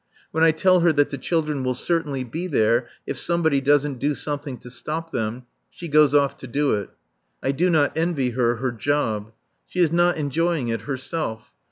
When I tell her that the children will certainly be there if somebody doesn't do something to stop them, she goes off to do it. I do not envy her her job. She is not enjoying it herself.